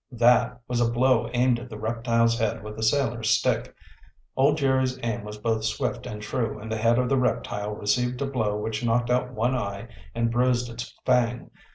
"That" was a blow aimed at the reptile's head with the sailor's stick. Old Jerry's aim was both swift and true and the head of the reptile received a blow which knocked out one eye and bruised its fang.